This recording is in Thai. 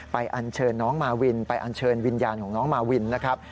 อันเชิญน้องมาวินไปอันเชิญวิญญาณของน้องมาวินนะครับ